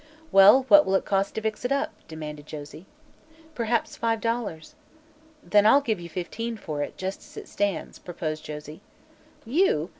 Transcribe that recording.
"Well, what will it cost to fix it up?" demanded Josie. "Perhaps five dollars." "Then I'll give you fifteen for it, just as it stands," proposed Josie. "You?